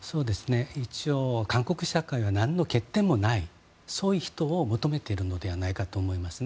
一応、韓国社会はなんの欠点もないそういう人を求めているのではないかと思いますね。